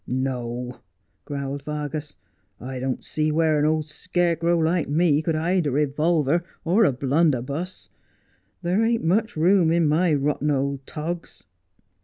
' No,' growled Vargas, ' I can't see where a old scarecrow like me could hide a revolver or a blunderbuss. There ain't mucli room in my rotten old togs.'